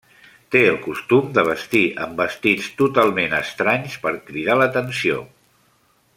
Té el costum de vestir amb vestits totalment estranys per cridar l'atenció.